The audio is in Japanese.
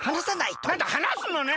なんだはなすのね。